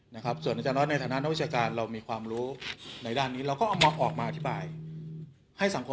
นะครับส่วนอาจารย์ออสในฐานะวิชาการเรามีความรู้ในด้านนี้เราก็